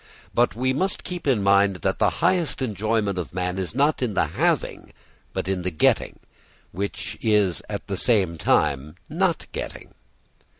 But we must keep in mind that the highest enjoyment of man is not in the having but in a getting, which is at the same time not getting.